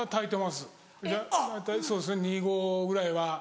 大体そうですね２合ぐらいは。